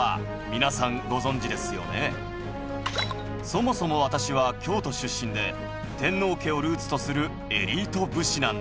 そもそも私は京都出身で天皇家をルーツとするエリート武士なんです。